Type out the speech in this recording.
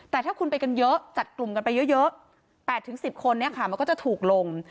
แต่ถ้าคุณไปกันเยอะจัดกลุ่มกันไปเยอะ๘๑๐คนมันก็จะถูกลง